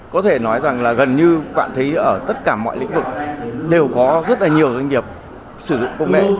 có thể nói rằng là gần như quản thấy ở tất cả mọi lĩnh vực đều có rất là nhiều doanh nghiệp sử dụng công nghệ